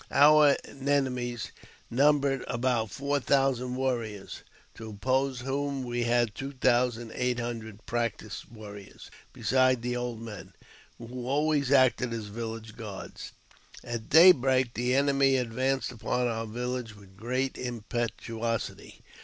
Our enemies numbered about four thousand warriors, to oppose whom we had two thousand eight hundred practised warriors, besides the old men, who always acted as village guards. At daybreak the enemy advanced upon our village with great impetuosity.